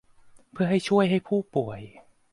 เพื่อให้ช่วยให้ผู้ป่วย